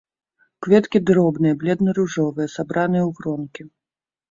Кветкі дробныя, бледна-ружовыя, сабраныя ў гронкі.